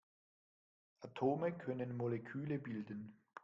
Atome können Moleküle bilden.